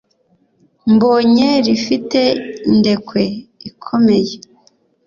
mbonye rifite indekwe ikomeye